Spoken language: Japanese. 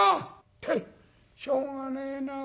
ケッしょうがねえなあ